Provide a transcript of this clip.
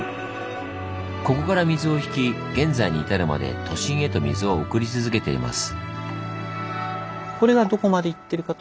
ここから水を引き現在に至るまで都心へと水を送り続けています。